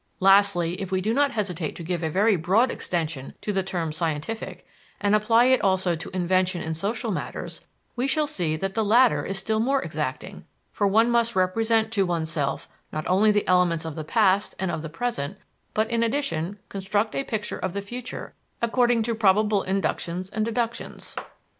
Lastly, if we do not hesitate to give a very broad extension to the term "scientific," and apply it also to invention in social matters, we shall see that the latter is still more exacting, for one must represent to oneself not only the elements of the past and of the present, but in addition construct a picture of the future according to probable inductions and deductions.